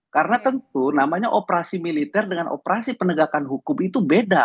karena tentu namanya operasi militer dengan operasi penegakan hukum itu beda